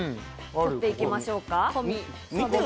撮っていきましょうか。